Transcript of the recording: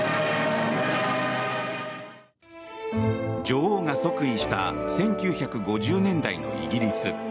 女王が即位した１９５０年代のイギリス。